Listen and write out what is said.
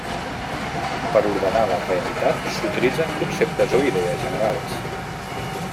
Per ordenar la realitat s’utilitzen conceptes o idees generals.